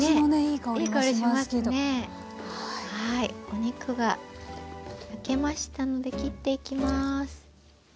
はいお肉が焼けましたので切っていきます。